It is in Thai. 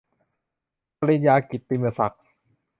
ปริญญากิตติมศักดิ์